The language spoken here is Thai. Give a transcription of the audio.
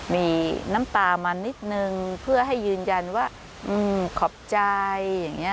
มีน้ำตามานิดนึงเพื่อให้ยืนยันว่าขอบใจ